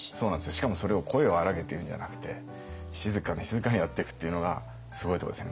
しかもそれを声を荒げて言うんじゃなくて静かに静かにやっていくっていうのがすごいところですよね。